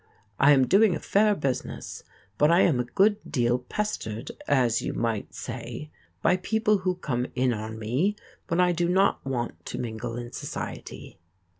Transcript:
I am doing a fair business, but I am a good deal pestered, as you might say, by people who come in on me when I do not want to mingle in society.